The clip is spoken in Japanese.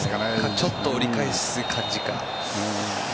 ちょっと折り返す感じか。